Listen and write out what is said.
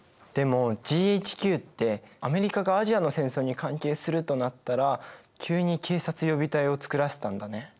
でもＧＨＱってアメリカがアジアの戦争に関係するとなったら急に警察予備隊を作らせたんだね。